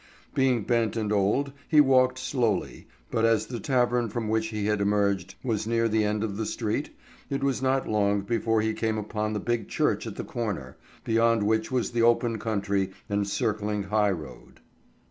Being bent and old he walked slowly, but as the tavern from which he had emerged was near the end of the street, it was not long before he came upon the big church at the corner, beyond which was the open country and circling highroad.